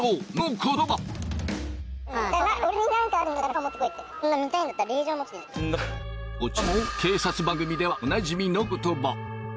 こちらも警察番組ではおなじみの言葉。